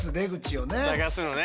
探すのね